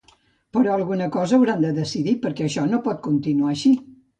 Però alguna cosa hauran de decidir, perquè això no pot continuar així.